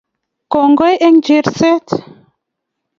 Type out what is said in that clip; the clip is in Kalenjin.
Kongoi eng cherset